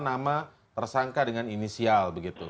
nama tersangka dengan inisial